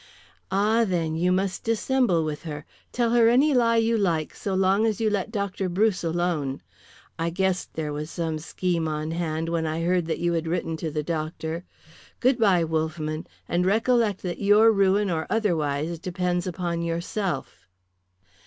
"Ah, then, you must dissemble with her. Tell her any lie you like so long as you let Dr. Bruce alone. I guessed there was some scheme on hand when I heard that you had written to the Doctor. Goodbye, Wolffman, and recollect that your ruin or otherwise depends upon yourself."